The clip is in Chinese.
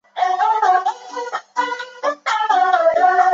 罗马统治时期为繁荣的养牛和葡萄种植中心。